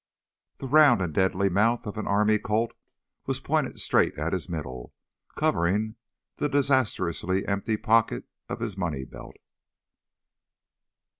The round and deadly mouth of an Army Colt was pointed straight at his middle, covering the disastrously empty pocket of his money belt.